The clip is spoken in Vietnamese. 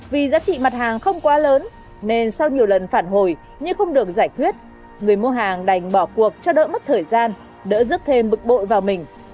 vì giá trị mặt hàng không quá lớn nên sau nhiều lần phản hồi nhưng không được giải quyết người mua hàng đành bỏ cuộc cho đỡ mất thời gian đỡ dứt thêm bực bội vào mình